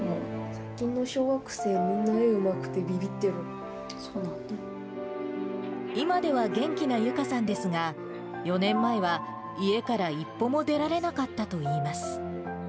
最近の小学生、みんな、今では元気なユカさんですが、４年前は、家から一歩も出られなかったといいます。